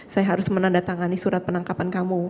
saya harus menandatangani surat penangkapan kamu